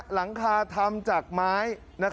หลังคาทำจากไม้